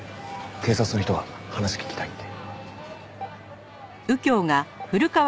警察の人が話聞きたいって。